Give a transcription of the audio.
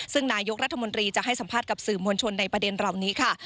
ซึ่งนายกรัฐมนตรีจะให้สัมภาษณ์กับสื่อมวลชนในประเด็นเหล่านี้ค่ะ